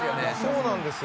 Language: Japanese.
そうなんですよ。